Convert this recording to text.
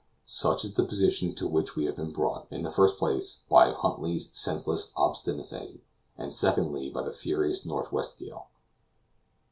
Such is the position to which we have been brought, in the first place, by Huntly's senseless obstinacy, and, secondly, by the furious northwest gale.